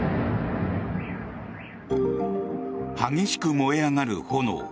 激しく燃え上がる炎。